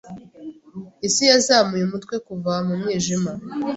Isi yazamuye umutwe Kuva mu mwijima